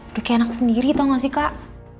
udah kayak anak sendiri tau gak sih kak